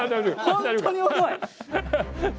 本当に重い！